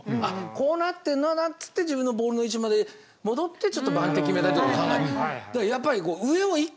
こうなってるんだなっつって自分のボールの位置まで戻ってちょっと番手決めたりとか考える。